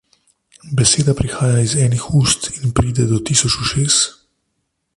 Beseda prihaja iz enih ust in pride do tisoč ušes.